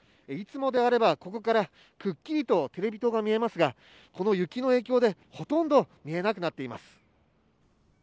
いつもであれば、ここからくっきりとテレビ塔が見えますがこの雪の影響でほとんど見えなくなっています。